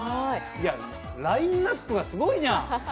いや、ラインナップがすごいじゃん！